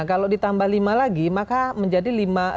kalau ditambah lima lagi maka menjadi lima